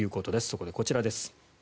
そこでこちらです。